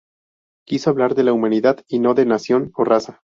Quiso hablar de la humanidad y no de nación o raza.